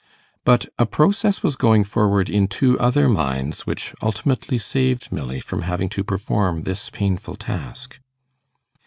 But a process was going forward in two other minds, which ultimately saved Milly from having to perform this painful task.